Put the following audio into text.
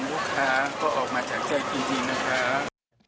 ลูกค้าก็ออกมาจากใจจริงนะครับ